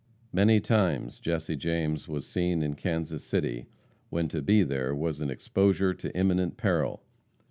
Many times Jesse James was seen in Kansas City, when to be there was an exposure to imminent peril.